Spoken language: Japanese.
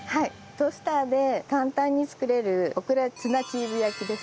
トースターで簡単に作れるオクラツナチーズ焼きです。